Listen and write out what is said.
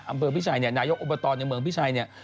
อำเภอพิชัยเนี่ยนายกอบตในเมืองพิชัยเนี่ย